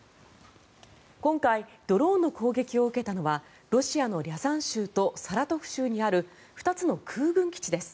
今回ドローンの攻撃を受けたのはロシアのリャザン州とサラトフ州にある２つの空軍基地です。